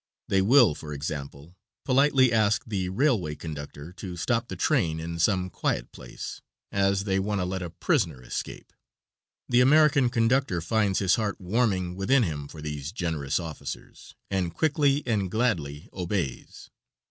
They will, for example, politely ask the railway conductor to stop the train in some quiet place, as they want to let a prisoner escape. The American conductor finds his heart warming within him for these generous officers, and quickly and gladly obeys.